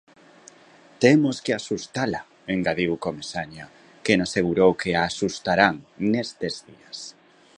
"Temos que axustala", engadiu Comesaña, quen asegurou que a axustarán "nestes días".